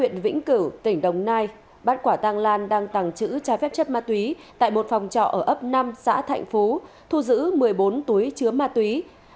tỉnh cửu tỉnh đồng nai bát quả tăng lan đang tăng chữ trái phép chất ma túy tại một phòng trọ ở ấp năm xã thạnh phú thu giữ một mươi bốn túi chứa ma túy